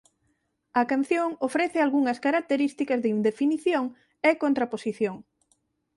A canción ofrece algunhas características de indefinición e contraposición.